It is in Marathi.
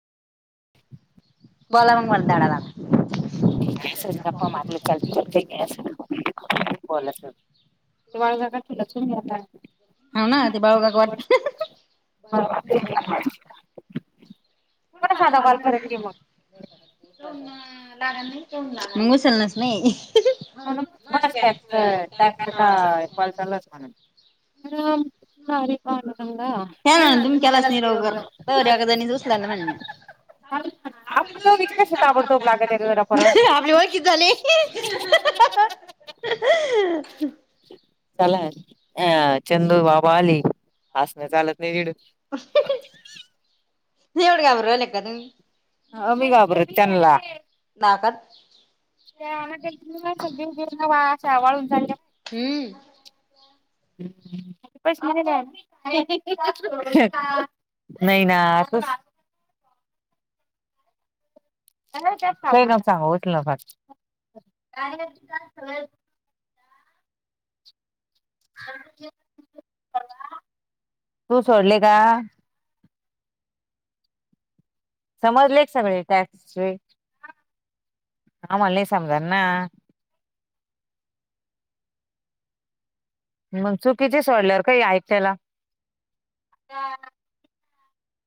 बोला मग मला ब धडा लाग [unintelligible] ॅ गप्पा मारले चलतेते ग ब [unintelligible] ते वाळगा का तुला तता हो ना ते बाळूकाका वाट ब ब साधा कॉल करत क मग मग उचलणारच नाही. बर टॅक्च टॅक्सच काय. ल [unintelligible] हा म्हणून तुम्ही नम केलाच कलास. नाही लवकर तवर एका जणीच उचलायला म्हणल्या आप दोघ कशी ताबडतोब लागतला जरा फरक आपली ओळखीच [inaudible] चला, अ चंदू बाबा आले, हसणे चालत नाही निड एवढ गाबर ले का तुमी. मी नाही गाबरत तनला. नाकात त्याुही घीऊ घेऊ न असे वाळून चालले. हम्म प नाही. नाही ना असंच. ना सांगच ना फ तू सोडले का. समजले सगळे टॅक्सचे आम्हाला नाही समजणार ना. मग चुकीचे स वाडल्या काही क त्याला